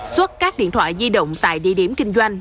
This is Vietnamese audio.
xuất các điện thoại di động tại địa điểm kinh doanh